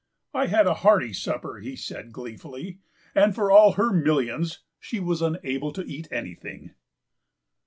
"I had a hearty supper," he said gleefully, "and for all her millions she was unable to eat anything."